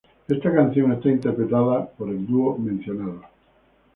Está canción está interpretado por el dúo mencionado.